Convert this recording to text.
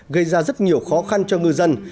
gây ra rất nhiều khó khăn cho người dân